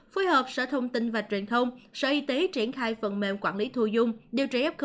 phối hợp sở thông tin và truyền thông sở y tế triển khai phần mềm quản lý thu dung điều trị f một